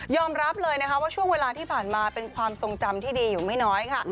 รับเลยนะคะว่าช่วงเวลาที่ผ่านมาเป็นความทรงจำที่ดีอยู่ไม่น้อยค่ะ